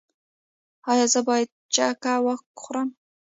ایا زه باید چکه وخورم؟